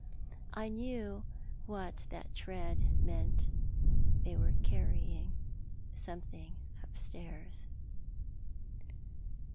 I knew what that tread meant— they were carrying something upstairs.